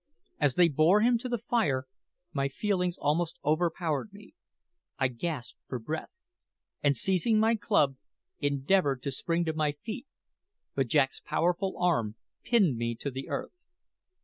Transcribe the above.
As they bore him to the fire my feelings almost overpowered me. I gasped for breath, and seizing my club, endeavoured to spring to my feet; but Jack's powerful arm pinned me to the earth.